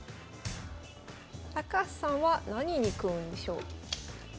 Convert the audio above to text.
高橋さんは何に組むんでしょう？